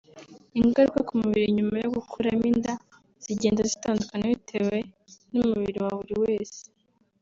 Ingaruka ku mubiri nyuma yo gukuramo inda zignda zitandukana bitewe n’umubiri wa buri wese